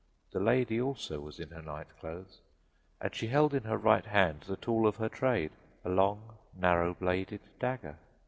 The lady, also, was in her night clothes, and she held in her right hand the tool of her trade, a long, narrow bladed dagger.